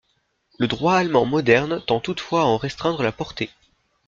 Le droit allemand moderne tend toutefois à en restreindre la portée.